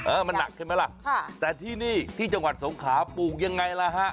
มันหนักใช่ไหมล่ะค่ะแต่ที่นี่ที่จังหวัดสงขาปลูกยังไงล่ะฮะ